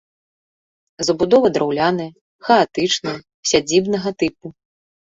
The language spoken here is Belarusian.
Забудова драўляная, хаатычная, сядзібнага тыпу.